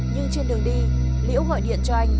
nhưng trên đường đi liễu gọi điện cho anh